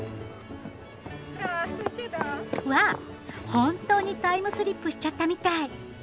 本当にタイムスリップしちゃったみたい！